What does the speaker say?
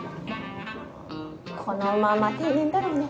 このまま定年だろうね。